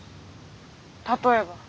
例えば？